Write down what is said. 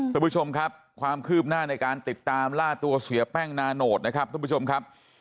คุณผู้ชมครับความคืบหน้าในการติดตามล่าตัวเสียแป้งนาโนตนะครับทุกผู้ชมครับ